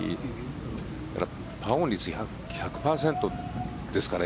パーオン率１００％ですから。